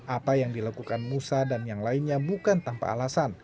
apa yang dilakukan musa dan yang lainnya bukan tanpa alasan